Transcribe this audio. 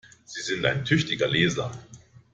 Sie sind ein tüchtiger Leser!